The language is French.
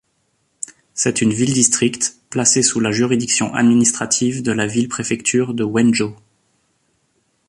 C'est une ville-district placée sous la juridiction administrative de la ville-préfecture de Wenzhou.